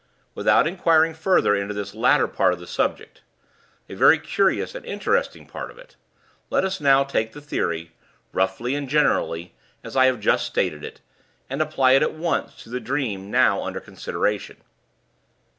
Without inquiring further into this latter part of the subject a very curious and interesting part of it let us take the theory, roughly and generally, as I have just stated it, and apply it at once to the dream now under consideration."